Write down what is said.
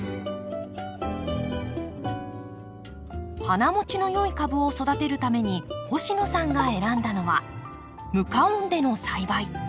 花もちのよい株を育てるために星野さんが選んだのは無加温での栽培。